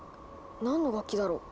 何の楽器だろう？